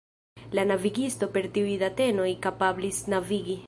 La navigisto per tiuj datenoj kapablis navigi.